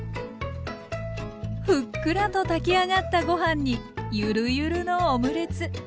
ふっくらと炊き上がったご飯にゆるゆるのオムレツ。